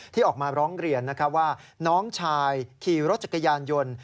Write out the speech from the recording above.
ออกมาร้องเรียนว่าน้องชายขี่รถจักรยานยนต์